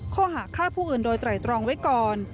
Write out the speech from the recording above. ข้อหาฆ่าผู้อื่นโดยไตรตรองไว้ก่อน